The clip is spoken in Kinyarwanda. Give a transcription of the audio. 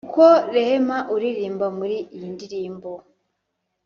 kuko Rehema uririmbwa muri iyi ndirimbo